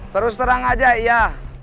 terus terang aja iya